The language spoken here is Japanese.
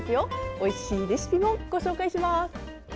おいしいレシピもご紹介します。